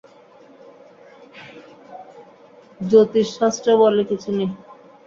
জ্যোতিষ শাস্ত্র বলে কিছু নেই।